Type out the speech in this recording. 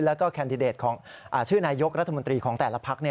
แล้วก็แคนดิเดตของชื่อนายกรัฐมนตรีของแต่ละพัก